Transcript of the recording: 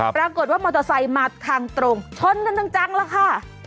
ปรากฏว่ามอเตอร์ไซค์มาทางตรงชนกันจังแล้วค่ะ